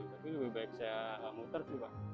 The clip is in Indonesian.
tapi lebih baik saya muter sih pak